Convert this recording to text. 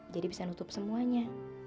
jadi bisa nutup semuanya